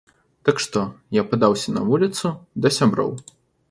Так што, я падаўся на вуліцу, да сяброў.